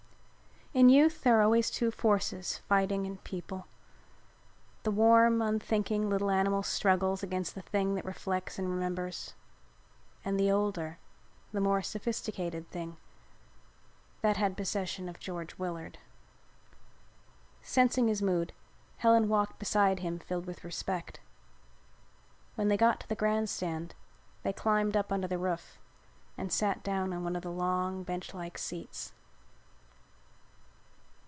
In youth there are always two forces fighting in people. The warm unthinking little animal struggles against the thing that reflects and remembers, and the older, the more sophisticated thing had possession of George Willard. Sensing his mood, Helen walked beside him filled with respect. When they got to the grand stand they climbed up under the roof and sat down on one of the long bench like seats.